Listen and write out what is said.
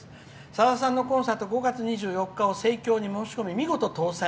さださんのコンサート５月２４日を申し込み、見事当選。